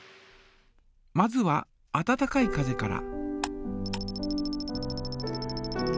まずは温かい風から。